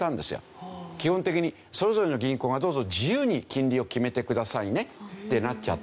基本的にそれぞれの銀行がどうぞ自由に金利を決めてくださいねってなっちゃった。